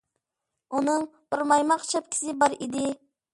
ئۇنىڭ بىر مايماق شەپكىسى بار ئىدى.